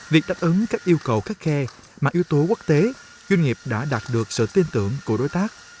việc đáp ứng các yêu cầu khắt khe mà yếu tố quốc tế doanh nghiệp đã đạt được sự tin tưởng của đối tác